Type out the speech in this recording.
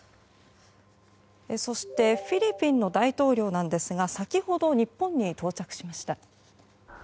そしてフィリピンの大統領なんですが先ほど日本に到着しました。